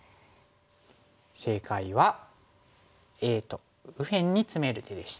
正解はＡと右辺にツメる手でした。